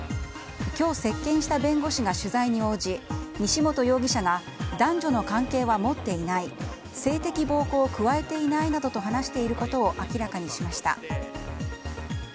今日接見した弁護士が取材に応じ西本容疑者が男女の関係は持っていない性的暴行を加えていないなどと話していることを明らかにしました。